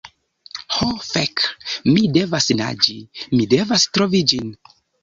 Ho fek! Mi devas naĝi, mi devas trovi ĝin.